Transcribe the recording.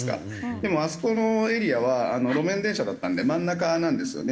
でもあそこのエリアは路面電車だったんで真ん中なんですよね。